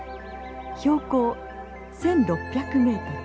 標高１，６００メートル。